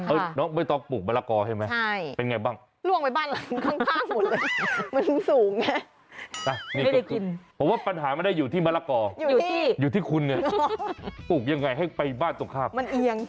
เออบ้านที่ฉันปลูกนะอยู่หลังบ้านค่ะค่ะ